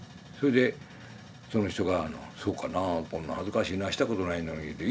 それでその人があの「そうかなあこんな恥ずかしいなあしたことないのに」